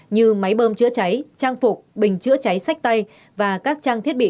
như máy bơm chữa cháy trang phục bình chữa cháy sách tay và các trang thiết bị